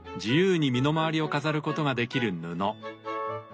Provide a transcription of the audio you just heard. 自由に身の回りを飾ることができる布。